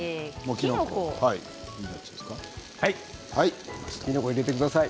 きのこを入れてください。